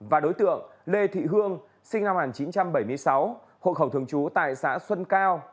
và đối tượng lê thị hương sinh năm một nghìn chín trăm bảy mươi sáu hộ khẩu thường trú tại xã xuân cao